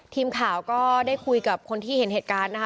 ทีมข่าวก็ได้คุยกับคนที่เห็นเหตุการณ์นะคะ